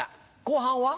後半は？